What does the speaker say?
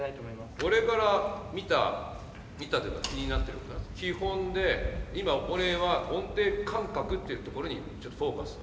俺から見た見たというか気になってることは基本で今俺は音程感覚っていうところにちょっとフォーカス。